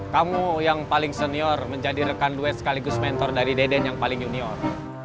kamu yang paling senior menjadi rekan duet sekaligus mentor dari deden yang paling junior